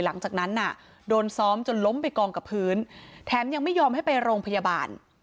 หลังจากนั้นน่ะโดนซ้อมจนล้มไปกองกับพื้นแถมยังไม่ยอมให้ไปโรงพยาบาล